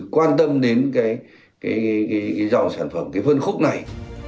quan tâm đến cái dòng sản phẩm cái phân khúc này